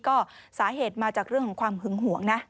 ก็สาเหตุมาจากเรื่องของความหึงหวงนะ